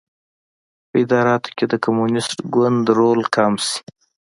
په اداراتو کې د کمونېست ګوند رول کم شي.